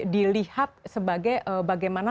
dilihat sebagai bagaimana